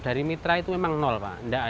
dari mitra itu memang nol pak